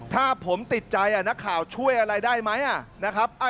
ถ้าผมติดใจนักข่าวช่วยอะไรได้ไหมนะครับ